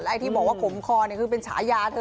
และที่บอกว่าขมคอคือเป็นชายาเธอ